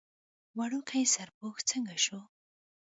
وړوکی سرپوښ څنګ ته شو.